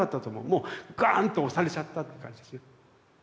もうガーンと押されちゃったって感じですよね。